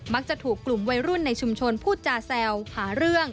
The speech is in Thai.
ถูกกลุ่มวัยรุ่นในชุมชนพูดจาแซวหาเรื่อง